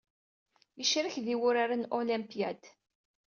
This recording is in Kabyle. Icarek dy wuṛaṛen n Olympiade.